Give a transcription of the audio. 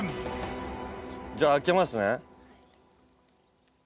じゃあ開けますね。